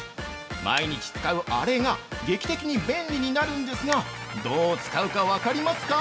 毎日使うアレが劇的に便利になるんですがどう使うかわかりますか？